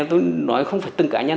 tôi nói không phải từng cá nhân